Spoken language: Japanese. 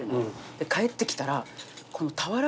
で帰ってきたら。